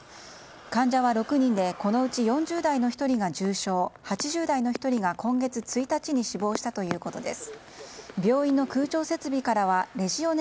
患者は６人でこのうち４０代の１人が重症８０代の１人が今月１日に死亡したということです。